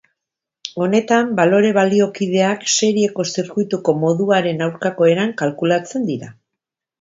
Honetan balore baliokideak serieko zirkuituko moduaren aurkako eran kalkulatzen dira.